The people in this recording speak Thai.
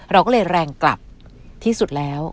เราก็เลยแรงกลับที่สุดแล้ว